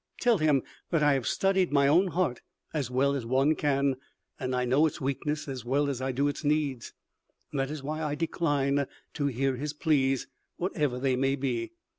Tell him that I have studied my own heart as well as one can, and I know its weakness as well as I do its needs. That is why I decline to hear his pleas, whatever they may be.